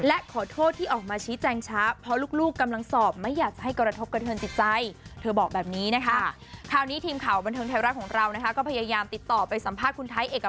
และขอโทษที่ออกมาชี้แจ้งช้าเพราะลูกกำลังสอบไม่อยากจะให้กระทบกับเธอในจิตใจ